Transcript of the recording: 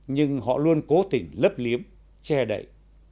nhưng họ luôn cố tỉnh lấp liếm che đậy